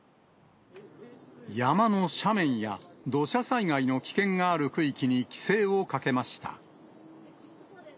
山の斜面や土砂災害の危険がある区域に規制をかけました。